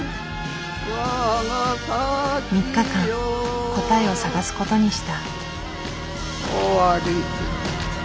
３日間答えを探す事にした。